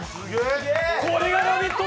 これが「ラヴィット！」